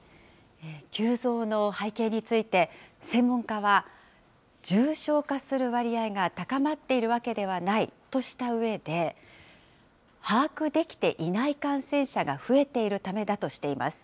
急増の背景について、専門家は、重症化する割合が高まっているわけではないとしたうえで、把握できていない感染者が増えているためだとしています。